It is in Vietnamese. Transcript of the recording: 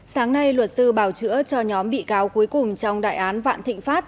sáng nay luật sư bảo chữa cho nhóm bị cáo cuối cùng trong đại án vạn thịnh pháp